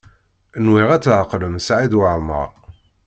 Nwiɣ ad tɛeqlem Saɛid Waɛmaṛ.